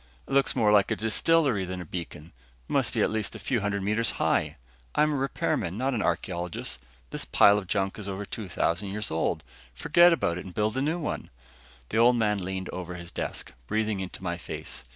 It looks more like a distillery than a beacon must be at least a few hundred meters high. I'm a repairman, not an archeologist. This pile of junk is over 2000 years old. Just forget about it and build a new one." The Old Man leaned over his desk, breathing into my face.